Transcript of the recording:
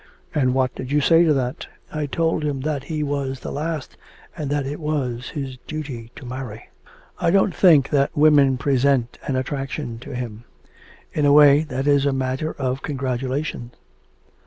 'And what did you say to that?' 'I told him that he was the last, and that it was his duty to marry.' 'I don't think that women present any attraction to him. In a way that is a matter of congratulation.'